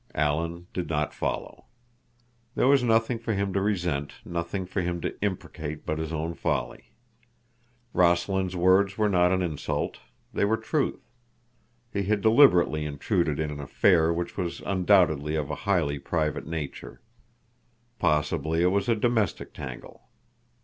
Alan did not follow. There was nothing for him to resent, nothing for him to imprecate but his own folly. Rossland's words were not an insult. They were truth. He had deliberately intruded in an affair which was undoubtedly of a highly private nature. Possibly it was a domestic tangle.